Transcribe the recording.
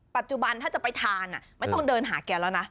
ปัจจุบันถ้าจะไปทานไม่ต้องเดินหาแกแล้วนะ